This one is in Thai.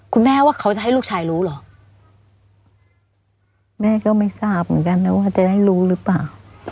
ว่าเขาจะให้ลูกชายรู้เหรอแม่ก็ไม่ทราบเหมือนกันนะว่าจะได้รู้หรือเปล่า